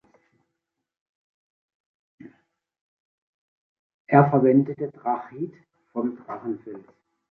Er verwendete Trachyt vom Drachenfels.